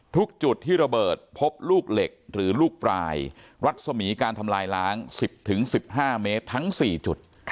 ทุกจุดที่ระเบิดพบลูกเหล็กหรือลูกปลายรัศมีการทำลายล้าง๑๐๑๕เมตรทั้ง๔จุด